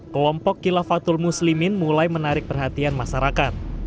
kelompok kilafatul muslimin mulai menarik perhatian masyarakat